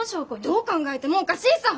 どう考えてもおかしいさ。